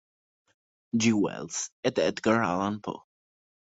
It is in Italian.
G. Wells ed Edgar Allan Poe.